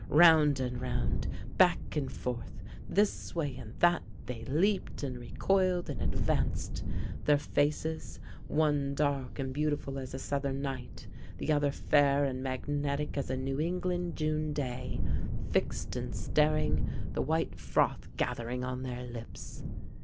Round and round, back and forth, this way and that, they leaped, and recoiled, and advanced; their faces one dark and beautiful as a southern night, the other fair and magnetic as a New England June day fixed and staring, the white froth gathering on their lips.